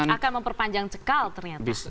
akan memperpanjang cekal ternyata